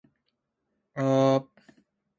ゴムの木にゴムゴムの木は成る